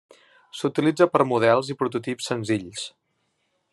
S'utilitza per models i prototips senzills.